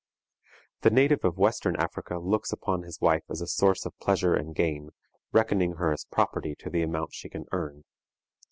The native of Western Africa looks upon his wife as a source of pleasure and gain, reckoning her as property to the amount she can earn.